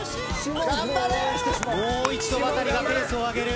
もう一度ワタリがペースを上げる。